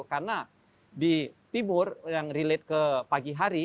karena di timur yang relate ke pagi hari